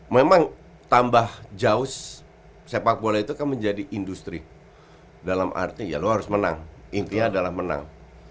memang tambah jauh sepak bola itu kan menjadi industri dalam arti ya lo harus menang intinya adalah menang